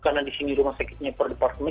karena disini rumah sakitnya per departemen